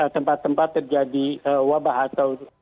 tempat tempat terjadi wabah atau